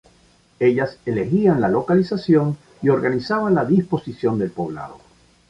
Ellas elegían la localización y organizaban la disposición del poblado.